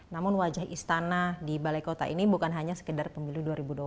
namun wajah istana di balai kota ini bukan hanya sekedar pemilu dua ribu dua puluh